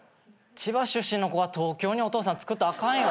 千葉出身の子が東京にお父さんつくったらあかんよ。